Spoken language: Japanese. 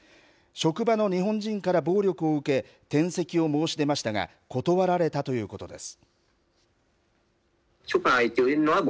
職場の日本人から暴力を受け、転籍を申し出ましたが、断られたということです。